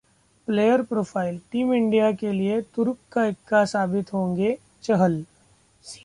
Player Profile: team India के लिए तुरुप का इक्का साबित होंगे चहल